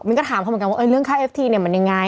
ก็ถามเขาเหมือนกันว่าเรื่องค่าเอฟทีเนี่ยมันยังไง